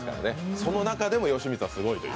その中でも芳光さんはすごいという。